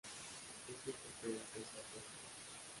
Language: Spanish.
Este papel fue su salto a la fama.